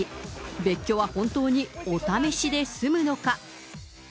別居は本当にお試しで済むのか。